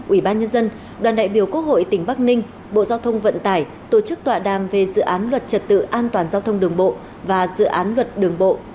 ubnd đoàn đại biểu quốc hội tỉnh bắc ninh bộ giao thông vận tải tổ chức tọa đàm về dự án luật trật tự an toàn giao thông đường bộ và dự án luật đường bộ